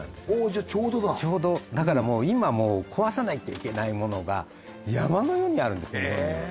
おおじゃちょうどだちょうどだからもう今壊さないといけないものが山のようにあるんです